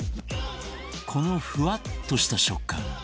このフワッとした食感